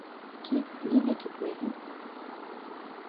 Кит, ниңә китмәйһең?